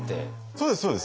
そうですそうです。